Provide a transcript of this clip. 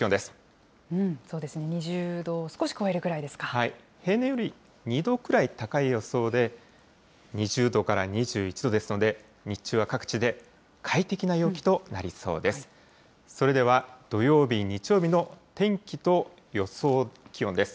２０度を少し超えるくらいで平年より２度くらい高い予想で、２０度から２１度ですので、日中は各地で快適な陽気となりそうです。